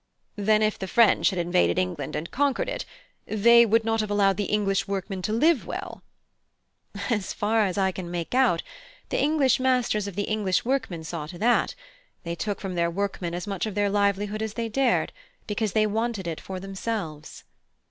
(H.) Then if the French had invaded England and conquered it, they would not have allowed the English workmen to live well? (I, laughing) As far as I can make out, the English masters of the English workmen saw to that: they took from their workmen as much of their livelihood as they dared, because they wanted it for themselves.